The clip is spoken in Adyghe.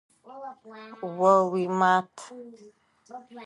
О уимат.